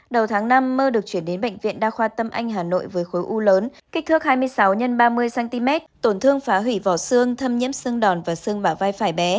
đầu tháng năm mơ được chuyển đến bệnh viện đa khoa tâm anh hà nội với khối u lớn kích thước hai mươi sáu x ba mươi cm tổn thương phá hủy vỏ xương thâm nhiễm xương đòn và xương vào vai phải bé